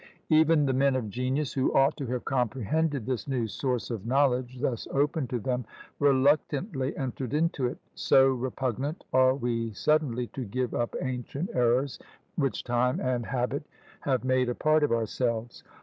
Even the men of genius, who ought to have comprehended this new source of knowledge thus opened to them, reluctantly entered into it; so repugnant are we suddenly to give up ancient errors which time and habit have made a part of ourselves.